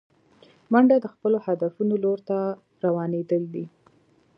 منډه د خپلو هدفونو لور ته روانېدل دي